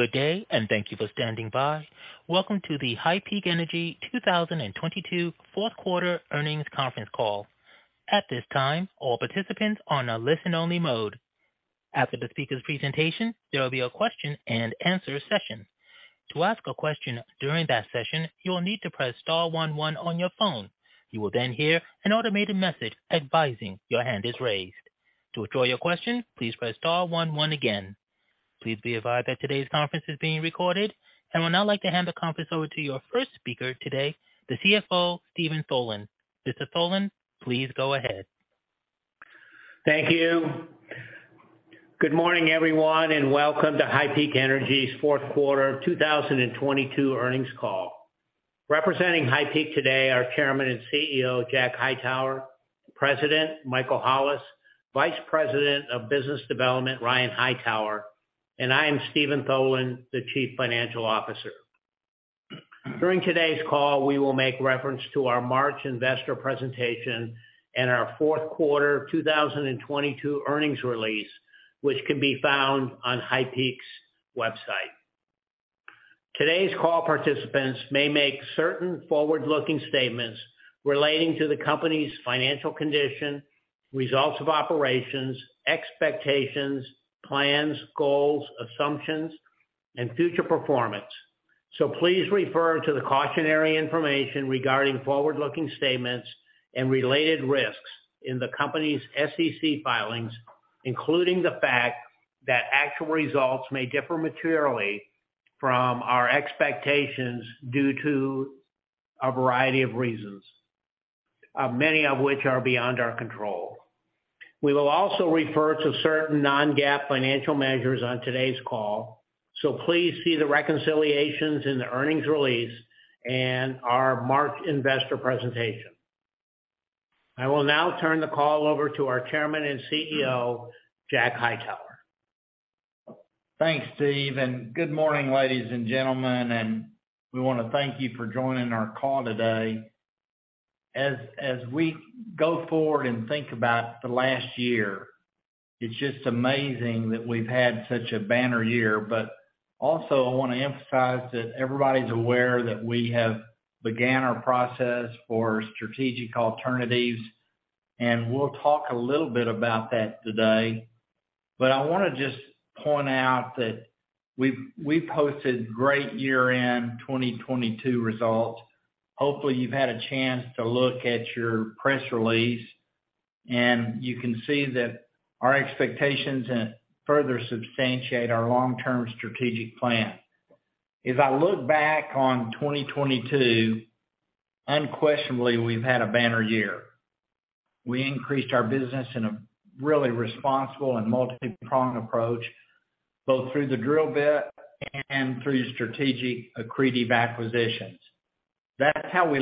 Good day, thank you for standing by. Welcome to the HighPeak Energy, Inc 2022 Fourth Quarter Earnings Conference Call. At this time, all participants are on a listen-only mode. After the speaker's presentation, there will be a question-and-answer session. To ask a question during that session, you will need to press star one one on your phone. You will hear an automated message advising your hand is raised. To withdraw your question, please press star one one again. Please be advised that today's conference is being recorded. I would now like to hand the conference over to your first speaker today, the CFO, Steven Tholen. Mr. Tholen, please go ahead. Thank you. Good morning, everyone, welcome to HighPeak Energy's Fourth Quarter 2022 Earnings Call. Representing HighPeak today, our Chairman and CEO, Jack Hightower, President Michael Hollis, Vice President of Business Development, Ryan Hightower, I am Steven Tholen, the Chief Financial Officer. During today's call, we will make reference to our March investor presentation and our fourth quarter 2022 earnings release, which can be found on HighPeak's website. Today's call participants may make certain forward-looking statements relating to the company's financial condition, results of operations, expectations, plans, goals, assumptions, and future performance. Please refer to the cautionary information regarding forward-looking statements and related risks in the company's SEC filings, including the fact that actual results may differ materially from our expectations due to a variety of reasons, many of which are beyond our control. We will also refer to certain non-GAAP financial measures on today's call, so please see the reconciliations in the earnings release and our March investor presentation. I will now turn the call over to our Chairman and CEO, Jack Hightower. Thanks, Steve, good morning, ladies and gentlemen, we wanna thank you for joining our call today. As we go forward and think about the last year, it's just amazing that we've had such a banner year. Also I wanna emphasize that everybody's aware that we have began our process for strategic alternatives, we'll talk a little bit about that today. I wanna just point out that we've posted great year-end 2022 results. Hopefully, you've had a chance to look at your press release, you can see that our expectations further substantiate our long-term strategic plan. As I look back on 2022, unquestionably, we've had a banner year. We increased our business in a really responsible and multi-pronged approach, both through the drill bit and through strategic accretive acquisitions. That's how we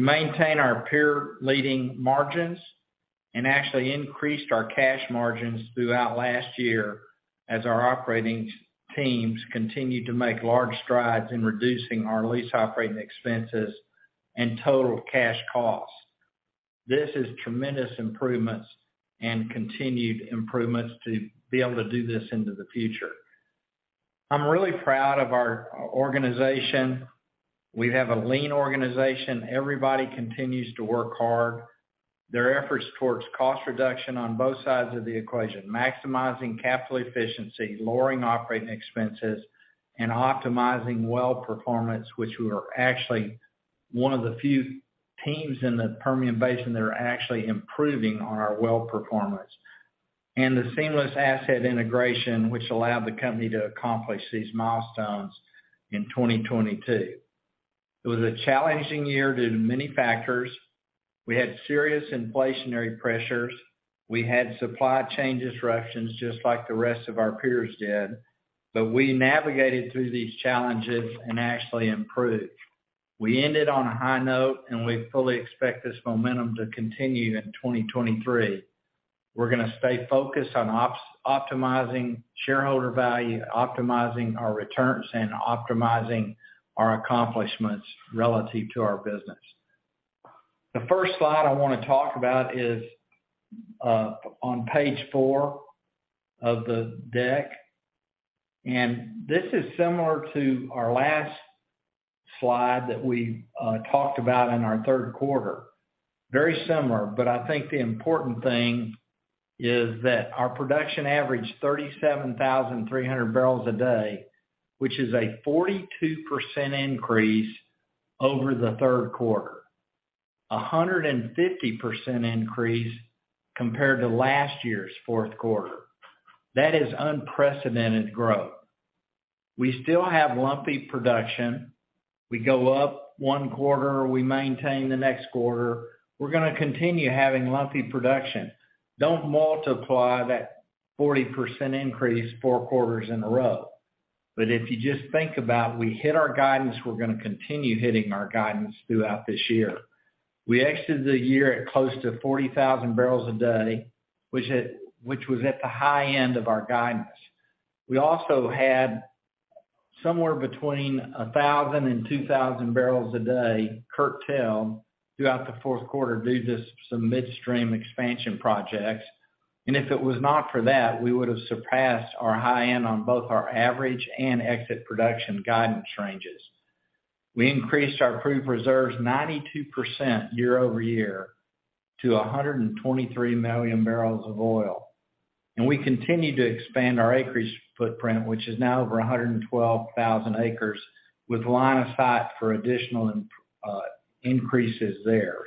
maintain our peer-leading margins and actually increased our cash margins throughout last year as our operating teams continued to make large strides in reducing our lease operating expenses and total cash costs. This is tremendous improvements and continued improvements to be able to do this into the future. I'm really proud of our organization. We have a lean organization. Everybody continues to work hard. Their efforts towards cost reduction on both sides of the equation, maximizing capital efficiency, lowering operating expenses, and optimizing well performance, which we are actually one of the few teams in the Permian Basin that are actually improving on our well performance. The seamless asset integration, which allowed the company to accomplish these milestones in 2022. It was a challenging year due to many factors. We had serious inflationary pressures. We had supply chain disruptions just like the rest of our peers did, but we navigated through these challenges and actually improved. We ended on a high note, and we fully expect this momentum to continue in 2023. We're gonna stay focused on optimizing shareholder value, optimizing our returns, and optimizing our accomplishments relative to our business. The first slide I wanna talk about is on Page four of the deck, and this is similar to our last slide that we talked about in our third quarter. Very similar, but I think the important thing is that our production averaged 37,300 bbl a day, which is a 42% increase over the third quarter. 150% increase compared to last year's fourth quarter. That is unprecedented growth. We still have lumpy production. We go up one quarter, we maintain the next quarter. We're gonna continue having lumpy production. Don't multiply that 40% increase four quarters in a row. If you just think about we hit our guidance, we're gonna continue hitting our guidance throughout this year. We exited the year at close to 40,000 bbl a day, which was at the high end of our guidance. We also had somewhere between 1,000 and 2,000 bbl a day curtailed throughout the fourth quarter due to some midstream expansion projects. If it was not for that, we would have surpassed our high end on both our average and exit production guidance ranges. We increased our proved reserves 92% year-over-year to 123 million bbl of oil. We continue to expand our acreage footprint, which is now over 112,000 acres, with line of sight for additional increases there.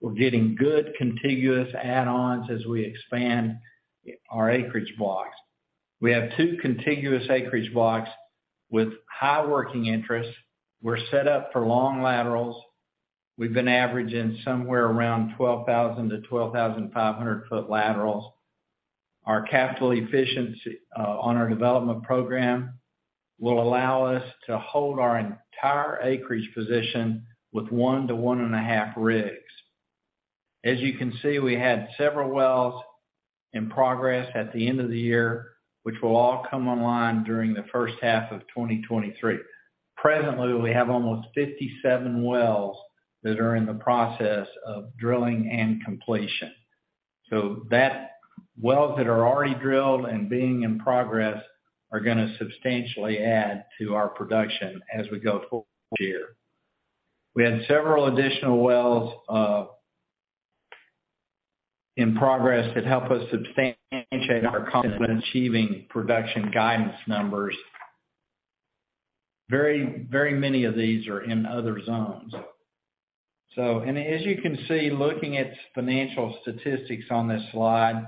We're getting good contiguous add-ons as we expand our acreage blocks. We have two contiguous acreage blocks with high working interest. We're set up for long laterals. We've been averaging somewhere around 12,000-12,500 ft laterals. Our capital efficiency on our development program will allow us to hold our entire acreage position with one to 1.5 rigs. As you can see, we had several wells in progress at the end of the year, which will all come online during the first half of 2023. Presently, we have almost 57 wells that are in the process of drilling and completion. That, wells that are already drilled and being in progress are gonna substantially add to our production as we go forward this year. We had several additional wells in progress that help us substantiate our confidence in achieving production guidance numbers. Very many of these are in other zones. As you can see, looking at financial statistics on this slide,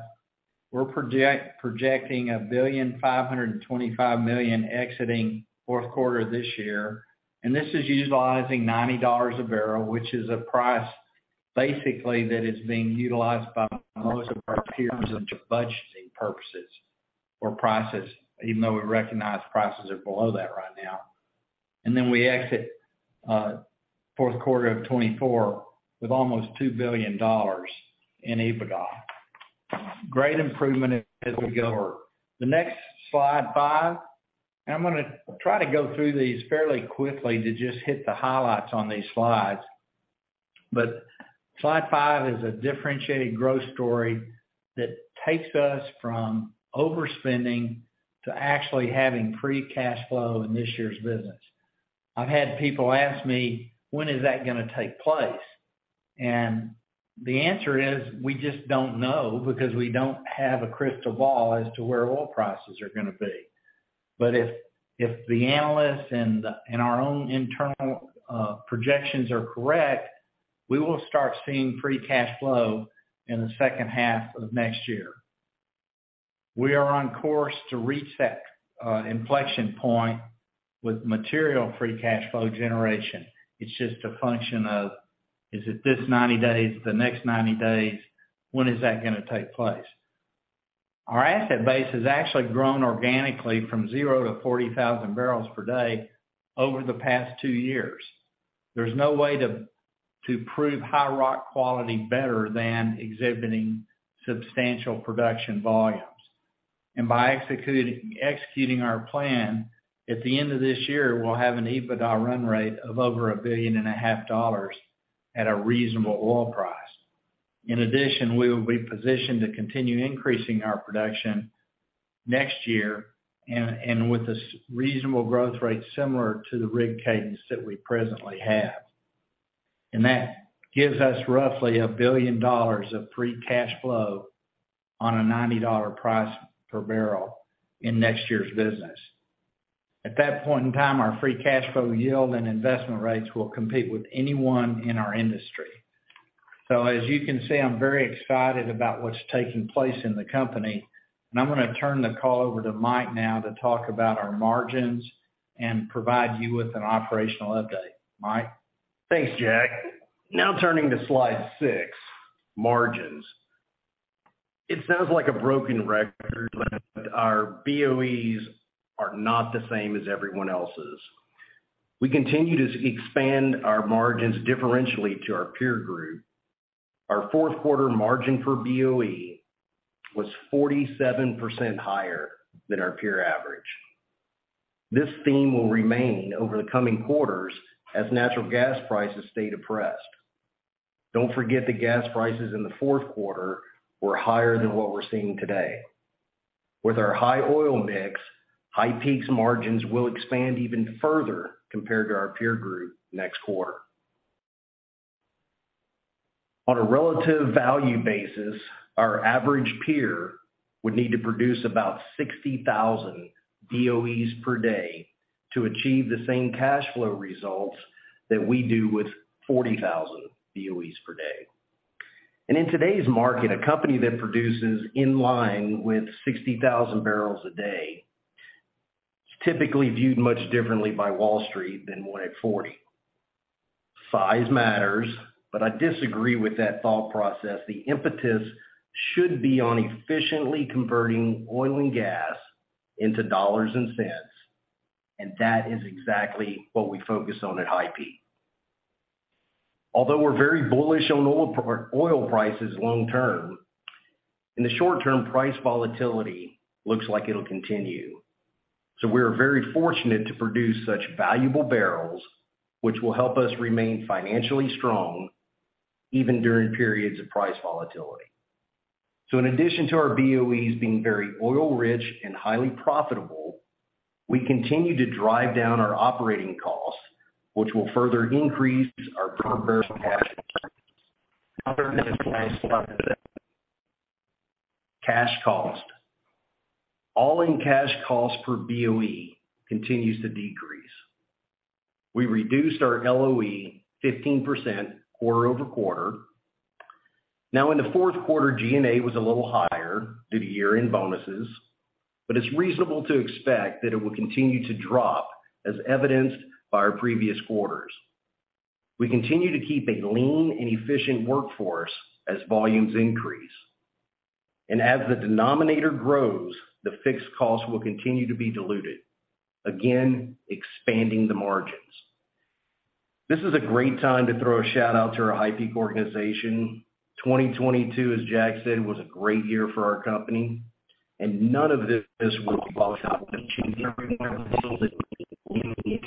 we're projecting $1.525 billion exiting fourth quarter this year. This is utilizing $90 a bbl, which is a price basically that is being utilized by most of our peers into budgeting purposes for prices, even though we recognize prices are below that right now. Then we exit fourth quarter of 2024 with almost $2 billion in EBITDA. Great improvement as we go over. The next Slide five. I'm gonna try to go through these fairly quickly to just hit the highlights on these slides. Slide five is a differentiated growth story that takes us from overspending to actually having free cash flow in this year's business. I've had people ask me, "When is that gonna take place?" The answer is, we just don't know because we don't have a crystal ball as to where oil prices are gonna be. If the analysts and our own internal projections are correct, we will start seeing free cash flow in the second half of next year. We are on course to reach that inflection point with material free cash flow generation. It's just a function of, is it this 90 days, the next 90 days? When is that gonna take place? Our asset base has actually grown organically from zero to 40,000 bbl per day over the past two years. There's no way to prove high rock quality better than exhibiting substantial production volumes. By executing our plan, at the end of this year, we'll have an EBITDA run rate of over a $1.5 billion At a reasonable oil price. In addition, we will be positioned to continue increasing our production next year and with this reasonable growth rate similar to the rig cadence that we presently have. That gives us roughly $1 billion of free cash flow on a $90 price per bbl in next year's business. At that point in time, our free cash flow yield and investment rates will compete with anyone in our industry. As you can see, I'm very excited about what's taking place in the company. I'm gonna turn the call over to Mike now to talk about our margins and provide you with an operational update. Mike? Thanks, Jack. Turning to Slide six, margins. It sounds like a broken record, our BOEs are not the same as everyone else's. We continue to expand our margins differentially to our peer group. Our fourth quarter margin for BOE was 47% higher than our peer average. This theme will remain over the coming quarters as natural gas prices stay depressed. Don't forget that gas prices in the fourth quarter were higher than what we're seeing today. With our high oil mix, HighPeak's margins will expand even further compared to our peer group next quarter. On a relative value basis, our average peer would need to produce about 60,000 BOEs per day to achieve the same cash flow results that we do with 40,000 BOEs per day. In today's market, a company that produces in line with 60,000 bbl a day is typically viewed much differently by Wall Street than one at 40. Size matters. I disagree with that thought process. The impetus should be on efficiently converting oil and gas into dollars and cents, and that is exactly what we focus on at HighPeak. Although we're very bullish on oil prices long term, in the short term, price volatility looks like it'll continue. We are very fortunate to produce such valuable barrels, which will help us remain financially strong even during periods of price volatility. In addition to our BOEs being very oil-rich and highly profitable, we continue to drive down our operating costs, which will further increase our per barrel cash flow. Cash cost. All-in cash cost per BOE continues to decrease. We reduced our LOE 15% quarter-over-quarter. In the fourth quarter, G&A was a little higher due to year-end bonuses, but it's reasonable to expect that it will continue to drop as evidenced by our previous quarters. We continue to keep a lean and efficient workforce as volumes increase. As the denominator grows, the fixed cost will continue to be diluted, again, expanding the margins. This is a great time to throw a shout-out to our HighPeak organization. 2022, as Jack said, was a great year for our company, none of this would be possible without each and every one of you.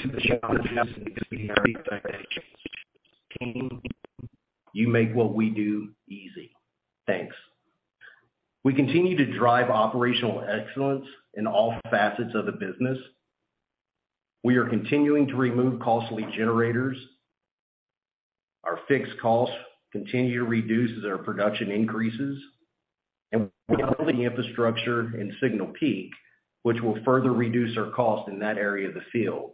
You make what we do easy. Thanks. We continue to drive operational excellence in all facets of the business. We are continuing to remove costly generators. Our fixed costs continue to reduce as our production increases. We are building infrastructure in Signal Peak, which will further reduce our cost in that area of the field.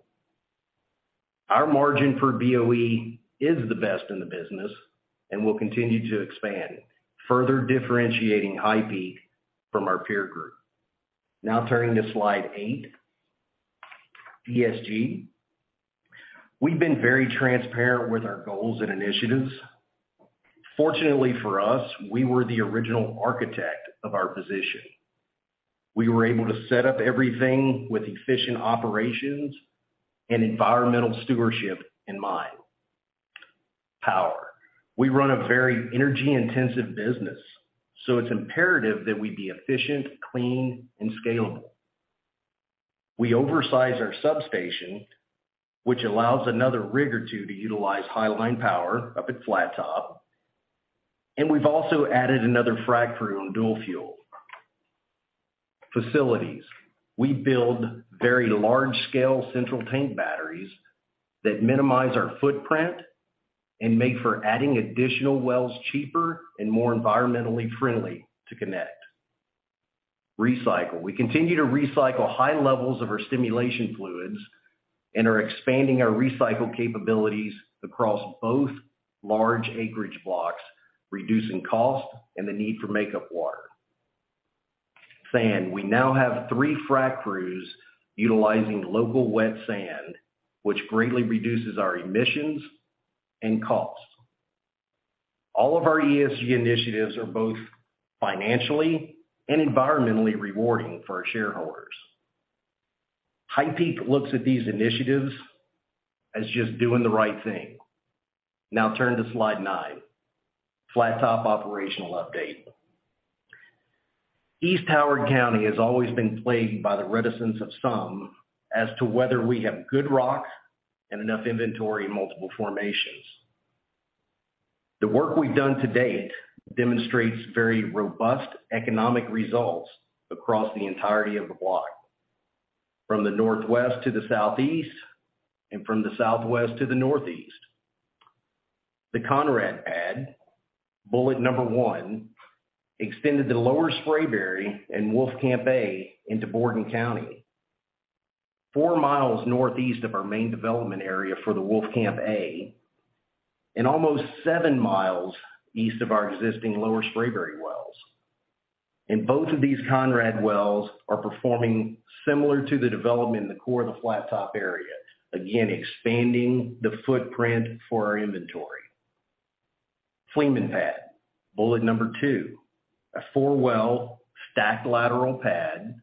Our margin for BOE is the best in the business and will continue to expand, further differentiating HighPeak from our peer group. Turning to Slide eight, ESG. We've been very transparent with our goals and initiatives. Fortunately for us, we were the original architect of our position. We were able to set up everything with efficient operations and environmental stewardship in mind. Power. We run a very energy-intensive business. It's imperative that we be efficient, clean, and scalable. We oversize our substation, which allows another rig or two to utilize high-line power up at Flattop. We've also added another frac crew on dual fuel. Facilities. We build very large-scale central tank batteries that minimize our footprint and make for adding additional wells cheaper and more environmentally friendly to connect. Recycle. We continue to recycle high levels of our stimulation fluids and are expanding our recycle capabilities across both large acreage blocks, reducing cost and the need for makeup water. Sand. We now have three frac crews utilizing local wet sand, which greatly reduces our emissions and cost. All of our ESG initiatives are both financially and environmentally rewarding for our shareholders. HighPeak looks at these initiatives as just doing the right thing. Turn to Slide nine, Flattop operational update. East Howard County has always been plagued by the reticence of some as to whether we have good rock and enough inventory in multiple formations. The work we've done to date demonstrates very robust economic results across the entirety of the block, from the northwest to the southeast and from the southwest to the northeast. The Conrad pad, bullet number one, extended the Lower Spraberry and Wolfcamp A into Borden County, four miles northeast of our main development area for the Wolfcamp A and almost seven miles east of our existing Lower Spraberry wells. Both of these Conrad wells are performing similar to the development in the core of the Flattop area, again, expanding the footprint for our inventory. Fleeman pad, bullet number two, a four-well stacked lateral pad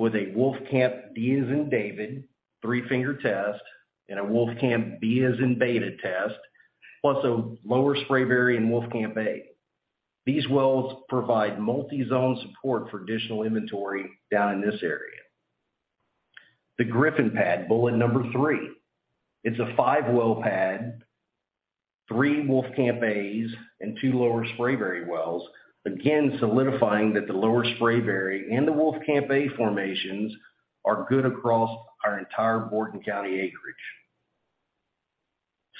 with a Wolfcamp D Three Finger test and a Wolfcamp B test, plus a Lower Spraberry and Wolfcamp A. These wells provide multi-zone support for additional inventory down in this area. The Griffin pad, bullet number three. It's a five-well pad, three Wolfcamp As, and two Lower Spraberry wells. Again, solidifying that the Lower Spraberry and the Wolfcamp A formations are good across our entire Borden County acreage.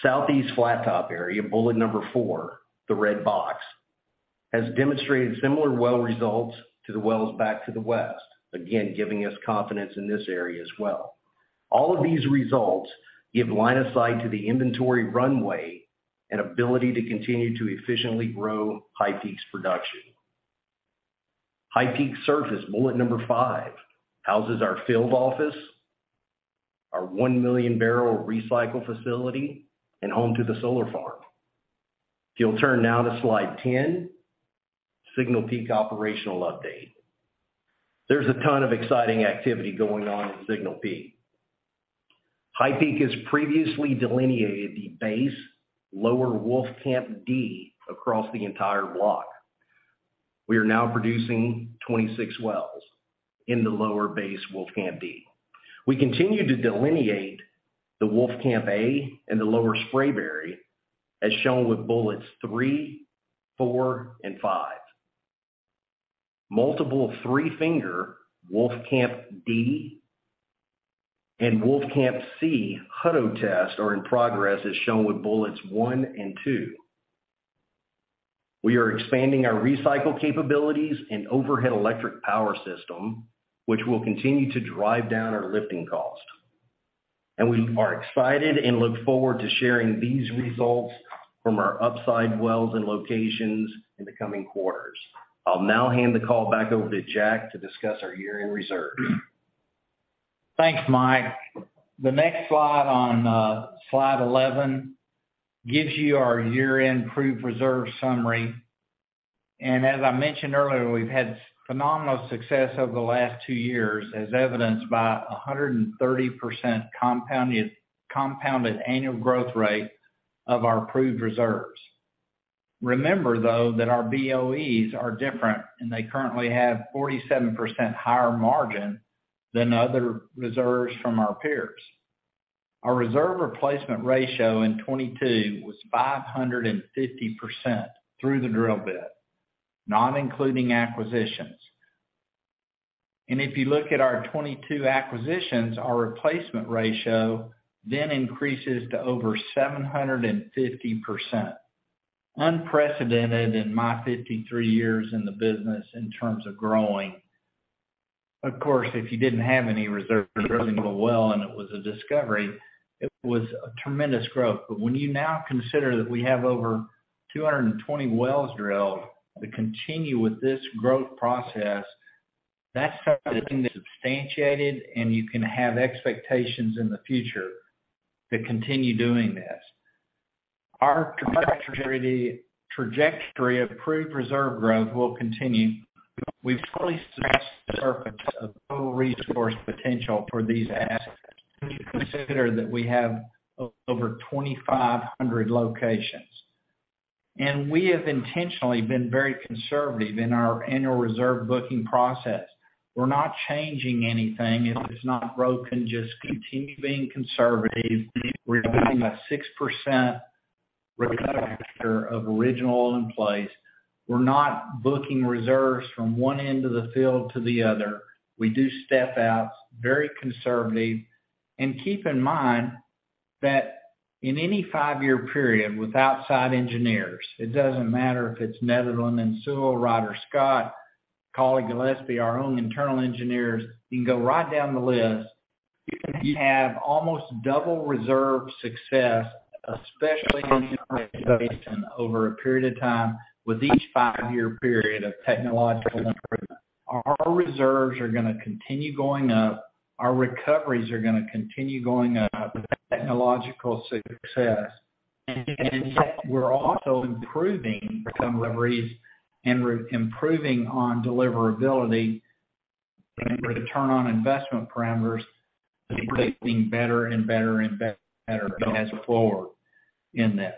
Southeast Flattop area, bullet number four, the red box, has demonstrated similar well results to the wells back to the west, again, giving us confidence in this area as well. All of these results give line of sight to the inventory runway and ability to continue to efficiently grow HighPeak's production. HighPeak surface, bullet number five, houses our field office, our 1 million bbl recycle facility, and home to the solar farm. If you'll turn now to Slide 10, Signal Peak operational update. There's a ton of exciting activity going on in Signal Peak. HighPeak has previously delineated the base Lower Wolfcamp D across the entire block. We are now producing 26 wells in the lower base Wolfcamp D. We continue to delineate the Wolfcamp A and the Lower Spraberry, as shown with bullets three, four, and five. Multiple Three-finger Wolfcamp D and Wolfcamp C Hutto tests are in progress, as shown with bullets one and two. We are expanding our recycle capabilities and overhead electric power system, which will continue to drive down our lifting cost. We are excited and look forward to sharing these results from our upside wells and locations in the coming quarters. I'll now hand the call back over to Jack to discuss our year-end reserve. Thanks, Mike. The next slide on Slide 11 gives you our year-end proved reserve summary. As I mentioned earlier, we've had phenomenal success over the last two years, as evidenced by 130% compounded annual growth rate of our proved reserves. Remember, though, that our BOEs are different, and they currently have 47% higher margin than other reserves from our peers. Our reserve replacement ratio in 2022 was 550% through the drill bit, not including acquisitions. If you look at our 2022 acquisitions, our replacement ratio then increases to over 750%. Unprecedented in my 53 years in the business in terms of growing. Of course, if you didn't have any reserves drilling the well and it was a discovery, it was a tremendous growth. When you now consider that we have over 220 wells drilled to continue with this growth process, that's something that's substantiated and you can have expectations in the future to continue doing this. Our trajectory of proved reserve growth will continue. We've only scratched the surface of total resource potential for these assets, when you consider that we have over 2,500 locations. We have intentionally been very conservative in our annual reserve booking process. We're not changing anything. If it's not broken, just continue being conservative. We're having a 6% recovery factor of original oil in place. We're not booking reserves from one end of the field to the other. We do step outs, very conservative. Keep in mind that in any five-year period with outside engineers, it doesn't matter if it's Netherland, Sewell, Ryder Scott, Cawley, Gillespie, our own internal engineers, you can go right down the list. You have almost double reserve success, especially in the Permian Basin over a period of time with each five-year period of technological improvement. Our reserves are gonna continue going up. Our recoveries are gonna continue going up with technological success. In fact, we're also improving recoveries and we're improving on deliverability and return on investment parameters, and creating better and better as before in this.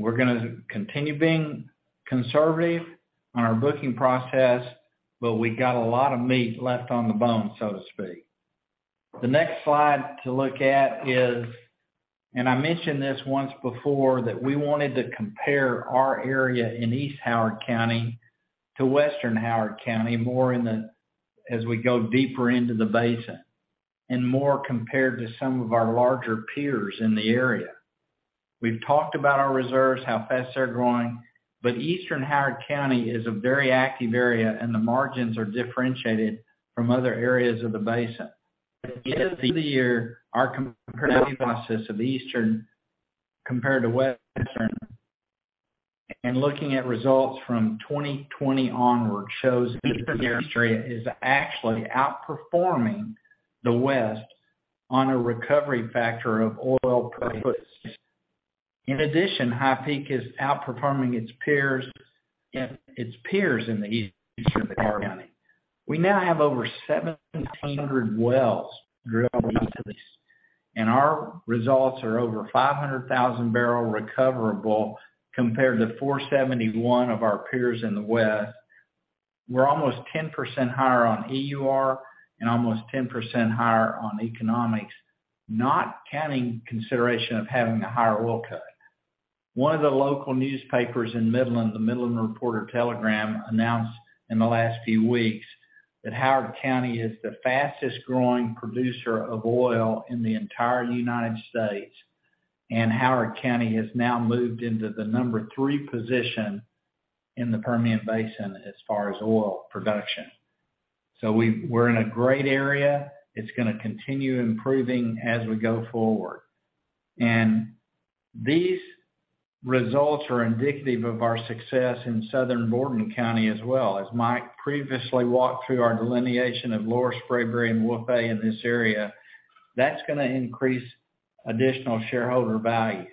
We're gonna continue being conservative on our booking process, but we got a lot of meat left on the bone, so to speak. The next slide to look at is, and I mentioned this once before, that we wanted to compare our area in East Howard County to Western Howard County, more in the as we go deeper into the basin, and more compared to some of our larger peers in the area. We've talked about our reserves, how fast they're growing, but Eastern Howard County is a very active area, and the margins are differentiated from other areas of the basin. At the end of the year, our comparison process of Eastern compared to Western, and looking at results from 2020 onward, shows the Eastern area is actually outperforming the West on a recovery factor of oil placed. In addition, HighPeak is outperforming its peers in the Eastern Howard County. We now have over 700 wells drilled east of this. Our results are over 500,000 bbl recoverable compared to 471 of our peers in the West. We're almost 10% higher on EUR and almost 10% higher on economics, not counting consideration of having a higher oil cut. One of the local newspapers in Midland, the Midland Reporter-Telegram, announced in the last few weeks that Howard County is the fastest-growing producer of oil in the entire United States, and Howard County has now moved into the number three position in the Permian Basin as far as oil production. We're in a great area. It's gonna continue improving as we go forward. These results are indicative of our success in southern Borden County as well. As Mike previously walked through our delineation of Lower Spraberry and Wolfcamp in this area, that's gonna increase additional shareholder value.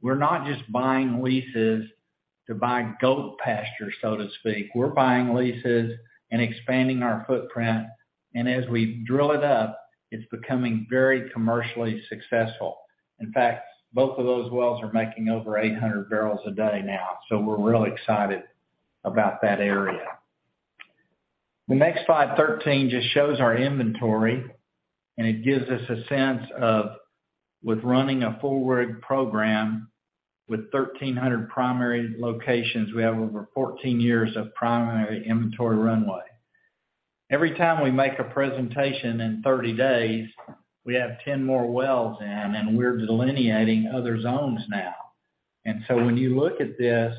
We're not just buying leases to buy goat pasture, so to speak. We're buying leases and expanding our footprint, and as we drill it up, it's becoming very commercially successful. In fact, both of those wells are making over 800 bbl a day now, so we're really excited about that area. The next, Slide 13, just shows our inventory, and it gives us a sense of, with running a forward program with 1,300 primary locations, we have over 14 years of primary inventory runway. Every time we make a presentation in 30 days, we have 10 more wells in, and we're delineating other zones now. When you look at this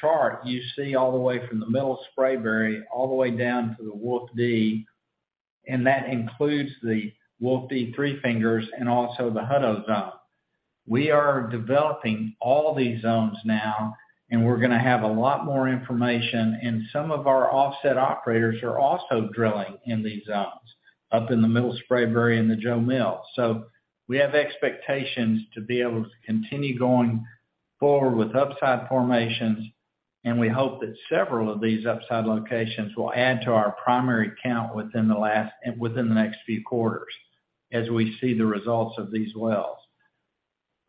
chart, you see all the way from the Middle Spraberry all the way down to the Wolf D, and that includes the Wolf D Three Fingers and also the Hutto zone. We are developing all these zones now, and we're gonna have a lot more information, and some of our offset operators are also drilling in these zones up in the Middle Spraberry and the Jo Mill. We have expectations to be able to continue going forward with upside formations, and we hope that several of these upside locations will add to our primary count within the next few quarters as we see the results of these wells.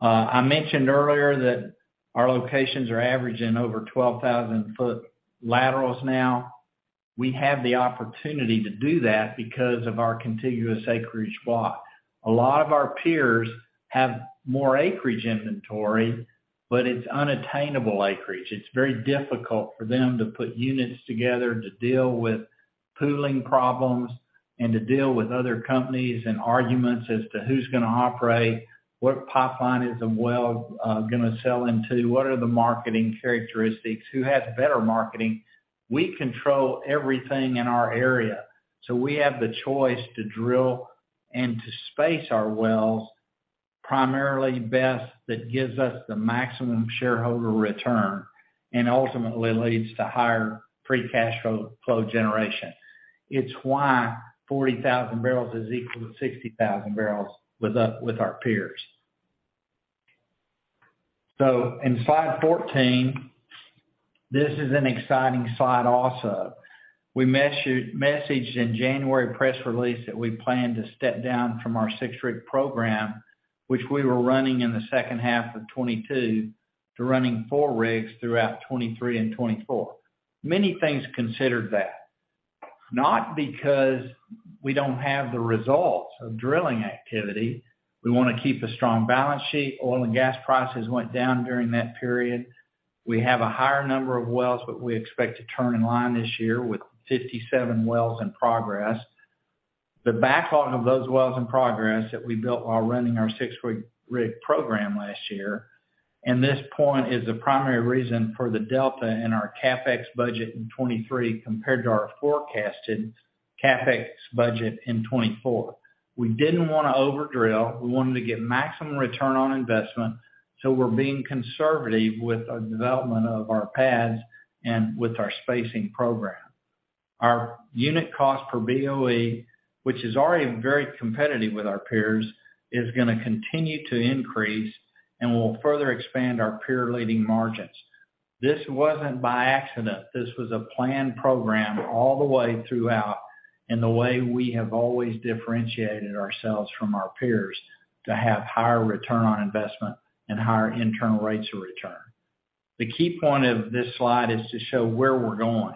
I mentioned earlier that our locations are averaging over 12,000 ft laterals now. We have the opportunity to do that because of our contiguous acreage plot. A lot of our peers have more acreage inventory, but it's unattainable acreage. It's very difficult for them to put units together to deal with pooling problems and to deal with other companies and arguments as to who's gonna operate, what pipeline is a well, gonna sell into, what are the marketing characteristics, who has better marketing. We control everything in our area, so we have the choice to drill and to space our wells primarily best that gives us the maximum shareholder return and ultimately leads to higher free cash flow generation. It's why 40,000 bbl is equal to 60,000 bbl with our peers. In Slide 14, this is an exciting slide also. We messaged in January press release that we plan to step down from our six-rig program, which we were running in the second half of 2022, to running four rigs throughout 2023 and 2024. Many things considered that. Not because we don't have the results of drilling activity. We wanna keep a strong balance sheet. Oil and gas prices went down during that period. We have a higher number of wells, we expect to turn in line this year with 57 wells in progress. The backlog of those wells in progress that we built while running our six-rig program last year, this point is the primary reason for the delta in our CapEx budget in 2023 compared to our forecasted CapEx budget in 2024. We didn't wanna over-drill. We wanted to get maximum return on investment. We're being conservative with our development of our pads and with our spacing program. Our unit cost per BOE, which is already very competitive with our peers, is gonna continue to increase and will further expand our peer-leading margins. This wasn't by accident. This was a planned program all the way throughout and the way we have always differentiated ourselves from our peers to have higher return on investment and higher internal rates of return. The key point of this slide is to show where we're going.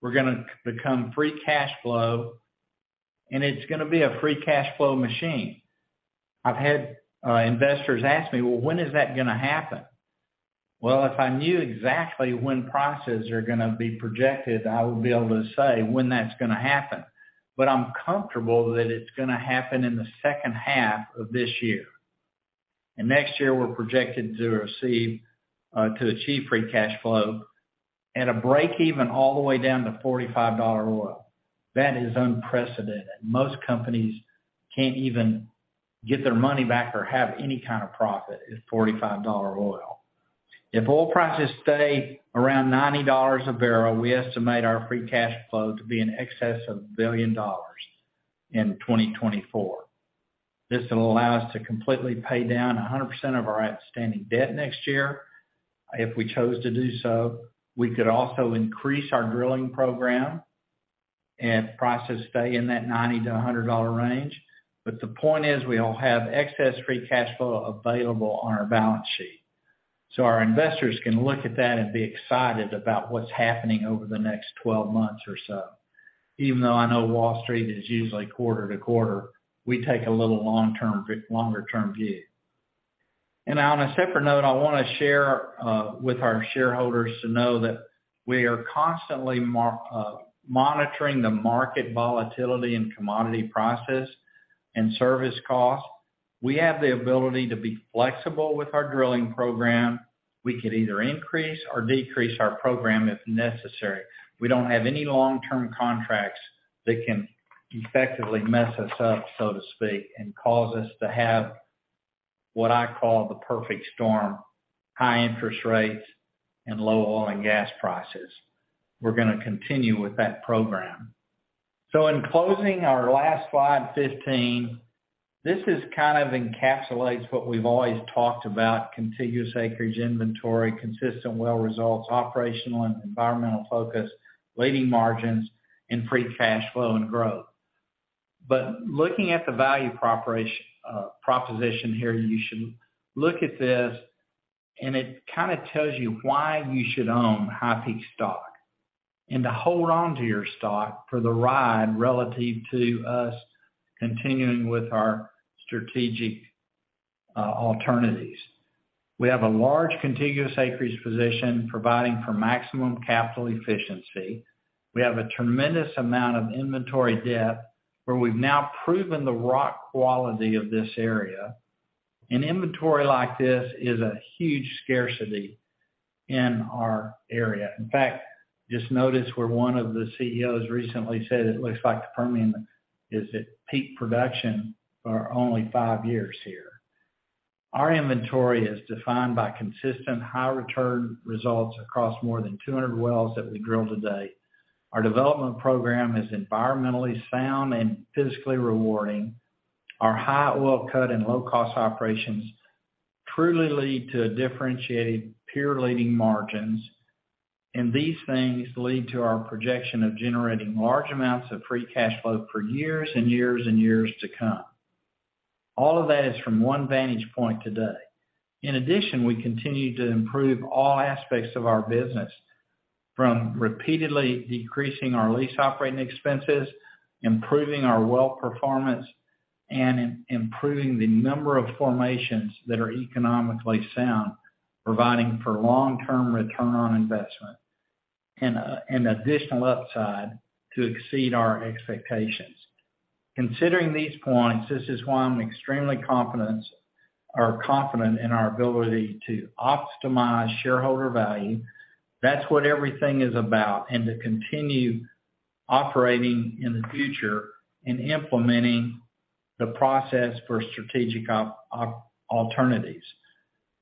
We're gonna become free cash flow. It's gonna be a free cash flow machine. I've had investors ask me, "Well, when is that gonna happen?" Well, if I knew exactly when prices are gonna be projected, I would be able to say when that's gonna happen. I'm comfortable that it's gonna happen in the second half of this year. Next year, we're projected to receive to achieve free cash flow at a break even all the way down to $45 oil. That is unprecedented. Most companies can't even get their money back or have any kind of profit at $45 oil. If oil prices stay around $90 a bbl, we estimate our free cash flow to be in excess of $1 billion in 2024. This will allow us to completely pay down 100% of our outstanding debt next year if we chose to do so. We could also increase our drilling program. Prices stay in that $90-$100 range. The point is, we all have excess free cash flow available on our balance sheet. Our investors can look at that and be excited about what's happening over the next 12 months or so. Even though I know Wall Street is usually quarter to quarter, we take a longer term view. On a separate note, I wanna share with our shareholders to know that we are constantly monitoring the market volatility and commodity prices and service costs. We have the ability to be flexible with our drilling program. We could either increase or decrease our program if necessary. We don't have any long-term contracts that can effectively mess us up, so to speak, and cause us to have what I call the perfect storm, high interest rates and low oil and gas prices. We're gonna continue with that program. In closing our last Slide, 15. This is kind of encapsulates what we've always talked about, contiguous acreage inventory, consistent well results, operational and environmental focus, leading margins and free cash flow and growth. Looking at the value proposition here, you should look at this, and it kinda tells you why you should own HighPeak stock, and to hold on to your stock for the ride relative to us continuing with our strategic alternatives. We have a large contiguous acreage position providing for maximum capital efficiency. We have a tremendous amount of inventory depth where we've now proven the rock quality of this area. An inventory like this is a huge scarcity in our area. In fact, just notice where one of the CEOs recently said it looks like the Permian is at peak production for only five years here. Our inventory is defined by consistent high return results across more than 200 wells that we drill today. Our development program is environmentally sound and physically rewarding. Our high oil cut and low cost operations truly lead to differentiated peer leading margins. These things lead to our projection of generating large amounts of free cash flow for years and years and years to come. All of that is from one vantage point today. In addition, we continue to improve all aspects of our business, from repeatedly decreasing our lease operating expenses, improving our well performance, and improving the number of formations that are economically sound, providing for long-term return on investment and an additional upside to exceed our expectations. Considering these points, this is why I'm extremely confident in our ability to optimize shareholder value. That's what everything is about, and to continue operating in the future and implementing the process for strategic alternatives.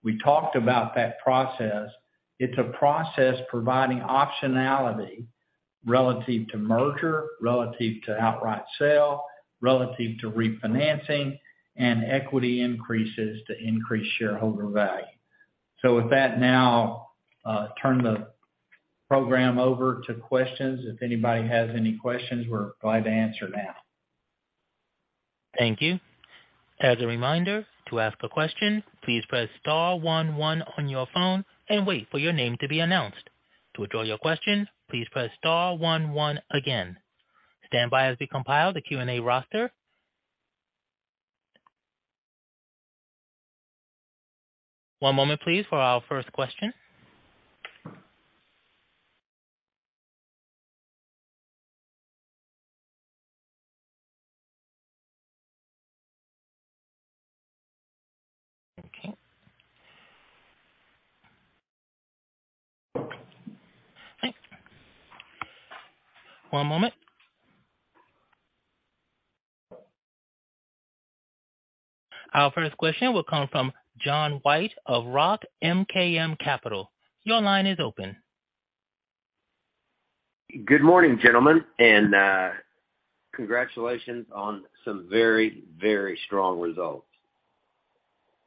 We talked about that process. It's a process providing optionality relative to merger, relative to outright sale, relative to refinancing and equity increases to increase shareholder value. With that now, turn the program over to questions. If anybody has any questions, we're glad to answer now. Thank you. As a reminder, to ask a question, please press star one one on your phone and wait for your name to be announced. To withdraw your question, please press star one one again. Stand by as we compile the Q&A roster. One moment please for our first question. Okay. One moment. Our first question will come from John White of Roth MKM Capital. Your line is open. Good morning, gentlemen, and congratulations on some very, very strong results.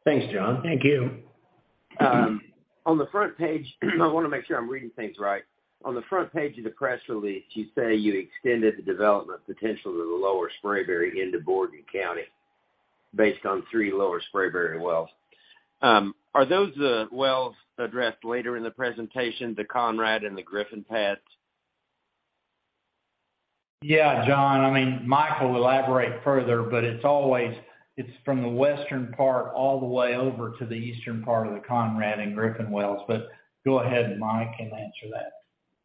Thanks, John. Thank you. On the front page, I wanna make sure I'm reading things right. On the front page of the press release, you say you extended the development potential to the Lower Spraberry into Borden County based on three Lower Spraberry wells. Are those the wells addressed later in the presentation, the Conrad and the Griffin pads? Yeah, John. I mean, Mike will elaborate further, it's always, it's from the western part all the way over to the eastern part of the Conrad and Griffin wells. Go ahead, Mike, and answer that.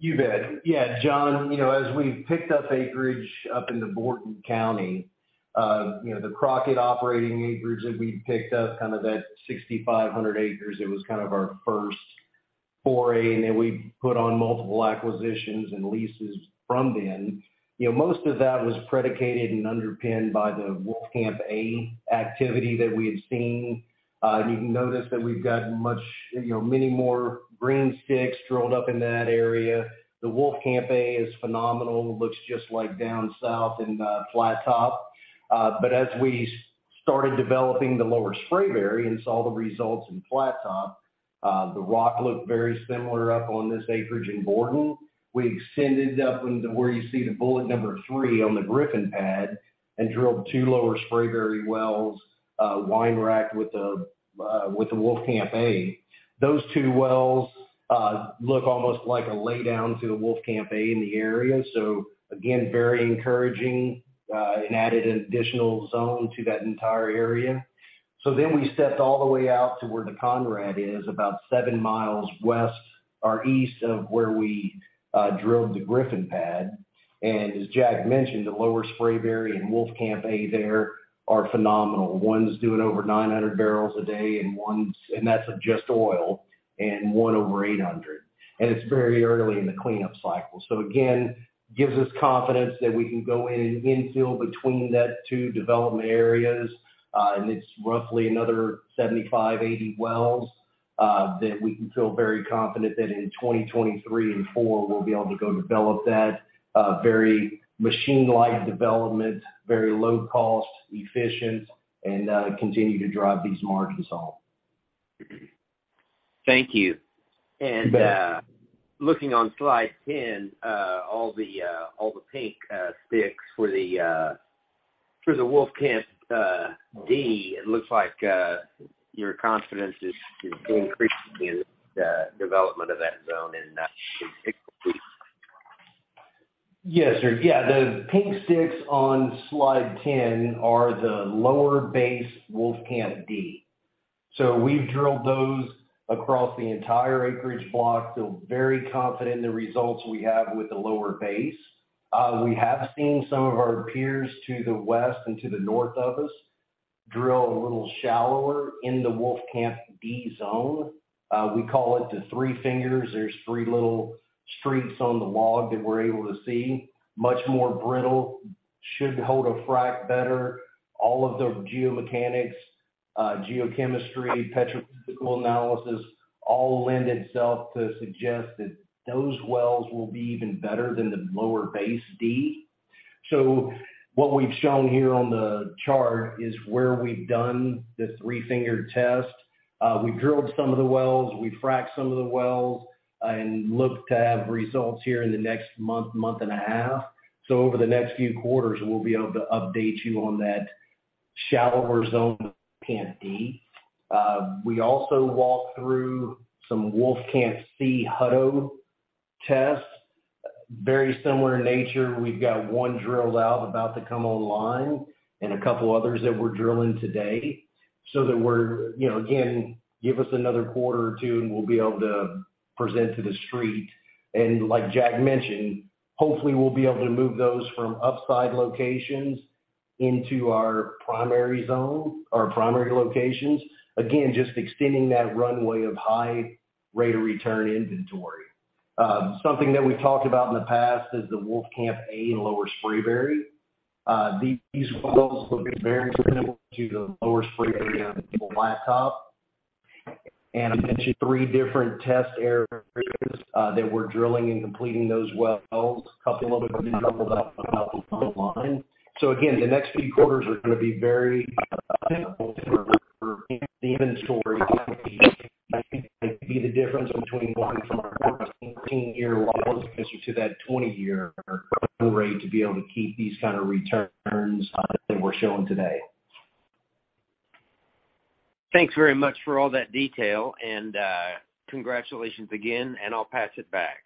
You bet. Yeah, John, you know, as we've picked up acreage up into Borden County, you know, the Crockett operating acreage that we picked up, kind of that 6,500 acres, it was kind of our first foray, and then we put on multiple acquisitions and leases from then. You know, most of that was predicated and underpinned by the Wolfcamp A activity that we had seen. You can notice that we've got much, you know, many more green sticks drilled up in that area. The Wolfcamp A is phenomenal, looks just like down south in Flattop. As we started developing the Lower Spraberry and saw the results in Flattop. The rock looked very similar up on this acreage in Borden. We extended up into where you see the bullet number three on the Griffin pad and drilled two Lower Spraberry wells, wine racked with the, with the Wolfcamp A. Those two wells, look almost like a laydown to the Wolfcamp A in the area. Again, very encouraging, and added an additional zone to that entire area. Then we stepped all the way out to where the Conrad is, about seven miles west or east of where we, drilled the Griffin pad. As Jack mentioned, the Lower Spraberry and Wolfcamp A there are phenomenal. One's doing over 900 bbl a day, and one's, and that's of just oil, and one over 800. It's very early in the cleanup cycle. Again, gives us confidence that we can go in and infill between that two development areas, and it's roughly another 75-80 wells that we can feel very confident that in 2023 and 2024 we'll be able to go develop that, very machine-like development, very low cost, efficient, and continue to drive these margins home. Thank you. You bet. Looking on Slide 10, all the pink sticks for the Wolfcamp D, it looks like your confidence is increasing in the development of that zone and that is complete. Yes, sir. The pink sticks on Slide 10 are the Lower Base Wolfcamp D. We've drilled those across the entire acreage block, so very confident in the results we have with the Lower Base. We have seen some of our peers to the west and to the north of us drill a little shallower in the Wolfcamp D zone. We call it the Three Finger. There's three little streaks on the log that we're able to see. Much more brittle, should hold a frack better. All of the geomechanics, geochemistry, petrophysical analysis all lend itself to suggest that those wells will be even better than the Lower Base D. What we've shown here on the chart is where we've done the Three-fingered test. We drilled some of the wells, we fracked some of the wells, and look to have results here in the next month and a half. Over the next few quarters, we'll be able to update you on that shallower zone Wolfcamp D. We also walked through some Wolfcamp C Hutto tests, very similar in nature. We've got one drilled out about to come online and a couple others that we're drilling today so that we're, you know, give us another quarter or two, and we'll be able to present to the street. Like Jack mentioned, hopefully we'll be able to move those from upside locations into our primary zone or primary locations. Just extending that runway of high rate of return inventory. Something that we talked about in the past is the Wolfcamp A and Lower Spraberry. These wells will be very critical to the Lower Spraberry and Flattop. I mentioned three different test areas that we're drilling and completing those wells. A couple of them have been drilled up online. Again, the next few quarters are gonna be very critical for the inventory. I think it'd be the difference between going from our 14-year well replacement to that 20-year rate to be able to keep these kind of returns that we're showing today. Thanks very much for all that detail and, congratulations again, and I'll pass it back.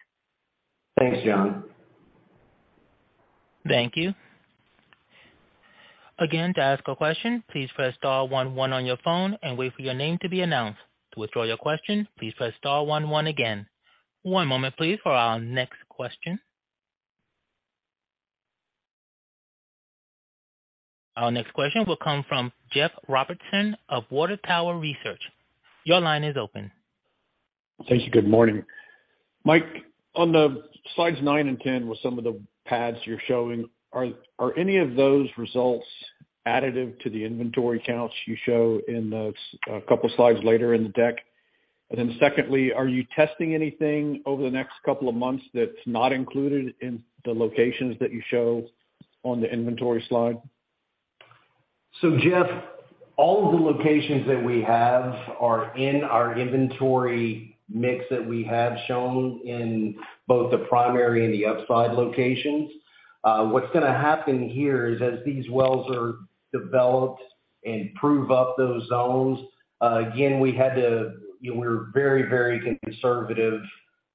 Thanks, John. Thank you. Again, to ask a question, please press star one one on your phone and wait for your name to be announced. To withdraw your question, please press star one one again. One moment please for our next question. Our next question will come from Jeff Robertson of Water Tower Research. Your line is open. Thank you. Good morning. Mike, on the Slides nine and 10 with some of the pads you're showing, are any of those results additive to the inventory counts you show in those couple slides later in the deck? Secondly, are you testing anything over the next couple of months that's not included in the locations that you show on the inventory slide? Jeff, all of the locations that we have are in our inventory mix that we have shown in both the primary and the upside locations. What's gonna happen here is as these wells are developed and prove up those zones, again, we had to, you know, we're very, very conservative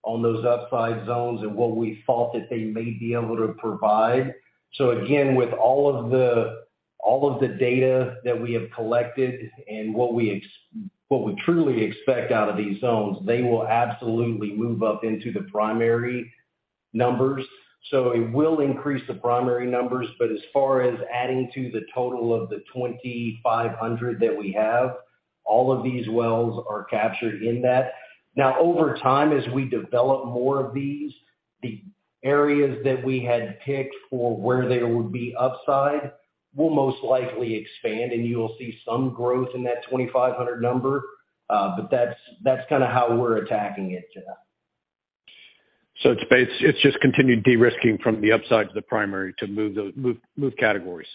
on those upside zones and what we thought that they may be able to provide. Again, with all of the, all of the data that we have collected and what we truly expect out of these zones, they will absolutely move up into the primary numbers. It will increase the primary numbers. As far as adding to the total of the 2,500 that we have, all of these wells are captured in that. Over time, as we develop more of these, the areas that we had picked for where there would be upside will most likely expand, and you'll see some growth in that 2,500 number. That's kinda how we're attacking it, Jeff. It's just continued de-risking from the upside to the primary to move categories.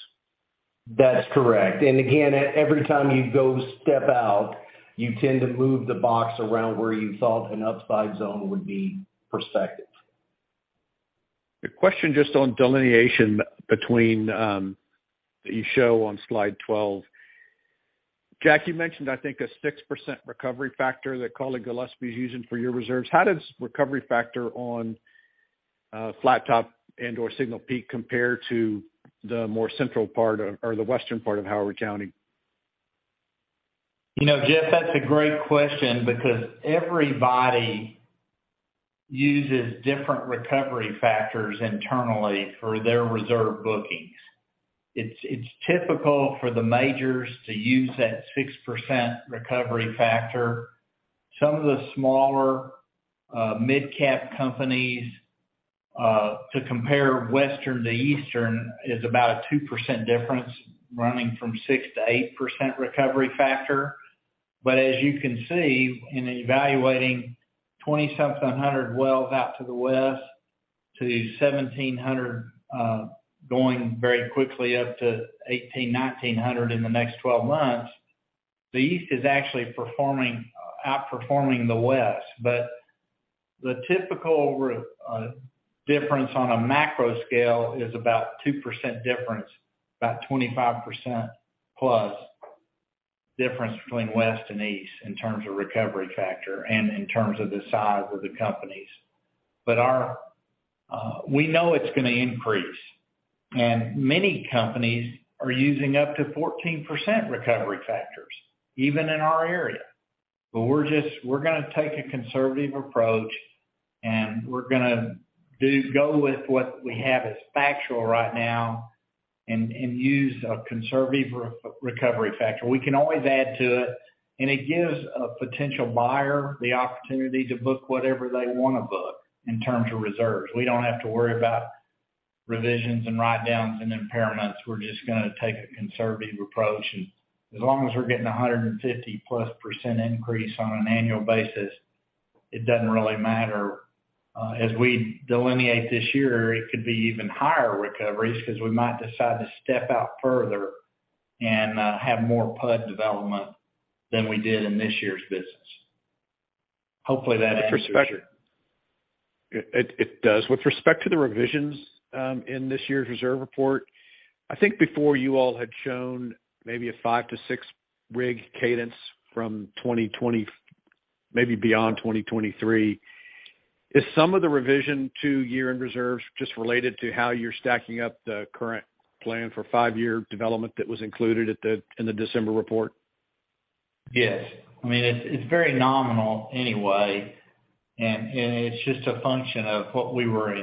That's correct. Again, every time you go step out, you tend to move the box around where you thought an upside zone would be prospective. A question just on delineation between that you show on Slide 12. Jack, you mentioned, I think, a 6% recovery factor that Cawley Gillespie is using for your reserves. How does recovery factor on Flat Top and/or Signal Peak compare to the more central part or the western part of Howard County? You know, Jeff, that's a great question because everybody uses different recovery factors internally for their reserve bookings. It's typical for the majors to use that 6% recovery factor. Some of the smaller midcap companies to compare western to eastern is about a 2% difference running from 6%-8% recovery factor. As you can see in evaluating 2,700 wells out to the west, to 1,700, going very quickly up to 1,800, 1,900 in the next 12 months, the east is actually outperforming the west. The typical difference on a macro scale is about 2% difference, about 25%+ difference between west and east in terms of recovery factor and in terms of the size of the companies. Our, we know it's gonna increase, and many companies are using up to 14% recovery factors, even in our area. We're gonna take a conservative approach, and we're gonna go with what we have as factual right now and use a conservative re-recovery factor. We can always add to it, and it gives a potential buyer the opportunity to book whatever they wanna book in terms of reserves. We don't have to worry about revisions and write downs and impairments. We're just gonna take a conservative approach. As long as we're getting a 150%+ increase on an annual basis, it doesn't really matter. As we delineate this year, it could be even higher recoveries because we might decide to step out further and have more PUD development than we did in this year's business. Hopefully, that answers your- It does. With respect to the revisions, in this year's reserve report, I think before you all had shown maybe a five to six rig cadence from 2020 maybe beyond 2023. Is some of the revision to year-end reserves just related to how you're stacking up the current plan for five-year development that was included in the December Report? Yes. I mean, it's very nominal anyway, and it's just a function of what we were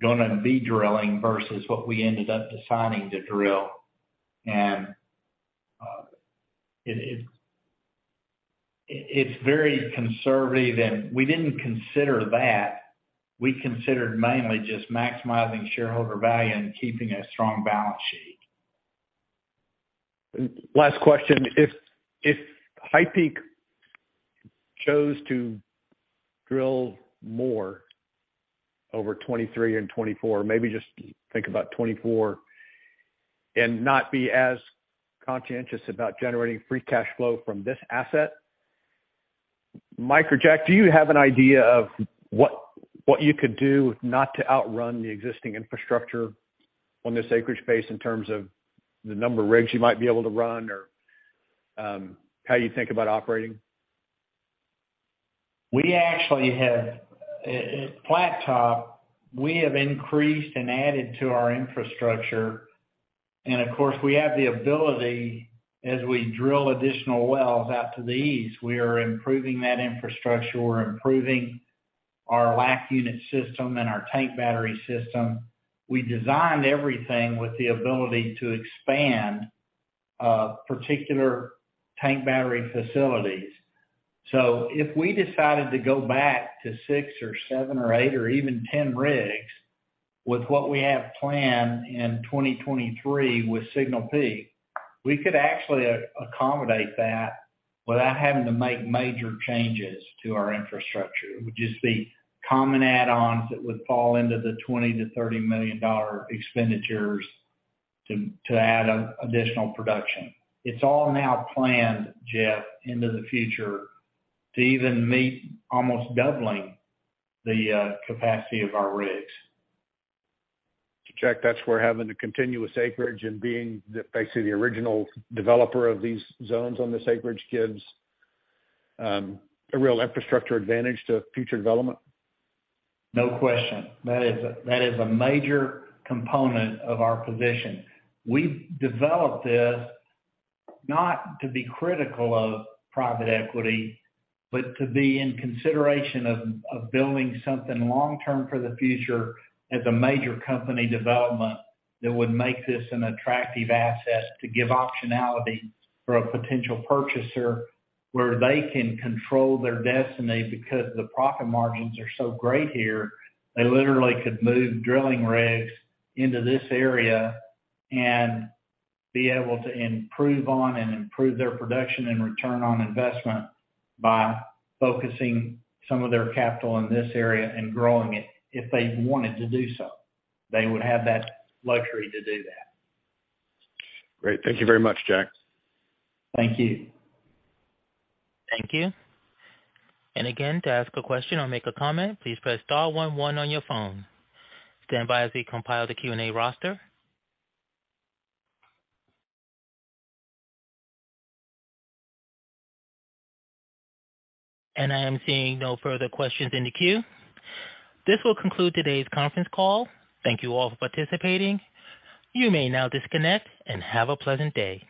gonna be drilling versus what we ended up deciding to drill. It's very conservative, and we didn't consider that. We considered mainly just maximizing shareholder value and keeping a strong balance sheet. Last question. If HighPeak chose to drill more over 2023 and 2024, maybe just think about 2024, and not be as conscientious about generating free cash flow from this asset, Mike or Jack, do you have an idea of what you could do not to outrun the existing infrastructure on this acreage base in terms of the number of rigs you might be able to run or how you think about operating? We actually have Flat Top, we have increased and added to our infrastructure. We have the ability as we drill additional wells out to the east, we are improving that infrastructure. We're improving our LACT unit system and our tank battery system. We designed everything with the ability to expand particular tank battery facilities. If we decided to go back to six or seven or eight or even 10 rigs with what we have planned in 2023 with Signal Peak, we could actually accommodate that without having to make major changes to our infrastructure. It would just be common add-ons that would fall into the $20 million-$30 million expenditures to add additional production. It's all now planned, Jeff, into the future to even meet almost doubling the capacity of our rigs. Jack, that's where having the continuous acreage and being the, basically the original developer of these zones on this acreage gives a real infrastructure advantage to future development? No question. That is a major component of our position. We've developed this not to be critical of private equity, but to be in consideration of building something long term for the future as a major company development that would make this an attractive asset to give optionality for a potential purchaser where they can control their destiny. Because the profit margins are so great here, they literally could move drilling rigs into this area and be able to improve their production and return on investment by focusing some of their capital in this area and growing it. If they wanted to do so, they would have that luxury to do that. Great. Thank you very much, Jack. Thank you. Thank you. Again, to ask a question or make a comment, please press star one one on your phone. Stand by as we compile the Q&A roster. I am seeing no further questions in the queue. This will conclude today's conference call. Thank you all for participating. You may now disconnect and have a pleasant day.